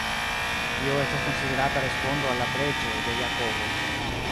Tio estas konsiderata respondo al la preĝoj de Jakobo.